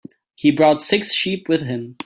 He brought six sheep with him.